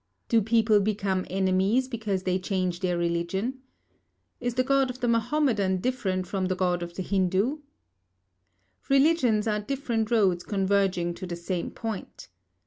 Do people become enemies because they change their religion? Is the God of the Mahomedan different from the God of the Hindu? Religions are different roads converging to the same point.